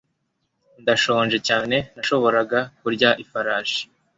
Ndashonje cyane, nashoboraga kurya ifarashi.